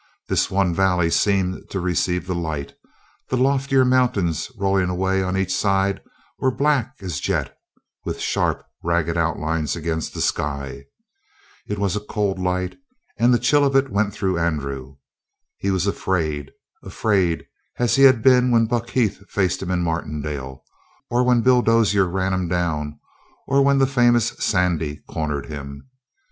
This one valley seemed to receive the light; the loftier mountains rolling away on each side were black as jet, with sharp, ragged outlines against the sky. It was a cold light, and the chill of it went through Andrew. He was afraid, afraid as he had been when Buck Heath faced him in Martindale, or when Bill Dozier ran him down, or when the famous Sandy cornered him.